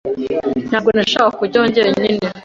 Ntabwo nashakaga kujyayo jyenyine.